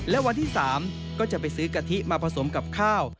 และวันที่๓ก็จะไปซื้อกะทิมาผสมกับข้าว